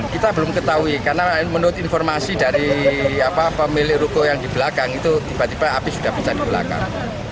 kita belum ketahui karena menurut informasi dari pemilik ruko yang di belakang itu tiba tiba api sudah bisa di belakang